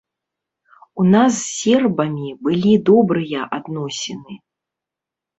У нас з сербамі былі добрыя адносіны.